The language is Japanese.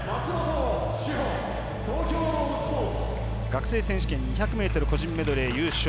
学生選手権２００ｍ個人メドレー優勝。